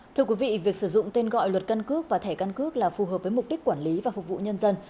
thưa quý vị việc sử dụng tên gọi luật căn cước và thẻ căn cước là phù hợp với mục đích quản lý và phục vụ nhân dân